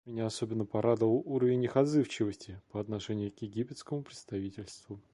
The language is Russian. Меня особенно порадовал уровень их отзывчивости по отношению к египетскому председательству.